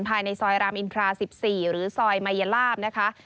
ภายในซอยรามอินทรา๑๔หรือซอยมายลาบนะคะ